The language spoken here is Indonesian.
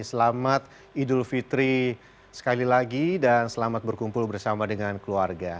selamat idul fitri sekali lagi dan selamat berkumpul bersama dengan keluarga